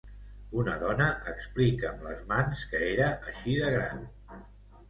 Una dona explica amb les mans que era així de gran.